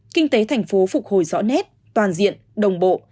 kinh tế thành phố phục hồi rõ nét toàn diện đồng bộ